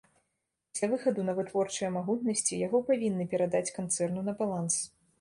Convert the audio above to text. Пасля выхаду на вытворчыя магутнасці яго павінны перадаць канцэрну на баланс.